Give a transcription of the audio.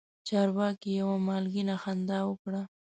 چارواکي یوه مالګینه خندا وکړه.